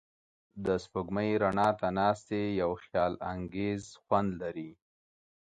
د سپوږمۍ رڼا ته ناستې یو خیالانګیز خوند لري.